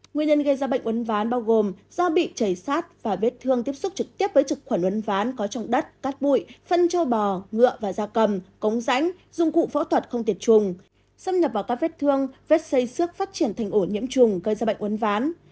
nguyên nhân gây ra bệnh uấn ván bao gồm do bị chảy sát và vết thương tiếp xúc trực tiếp với trực khuẩn uấn ván có trong đất cát bụi phân trâu bò ngựa và da cầm cống rãnh dùng cụ phẫu thuật không tiệt trùng xâm nhập vào các vết thương vết xây xước phát triển thành ổ nhiễm trùng gây ra bệnh uấn ván